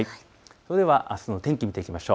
それではあすの天気を見ていきましょう。